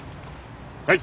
はい。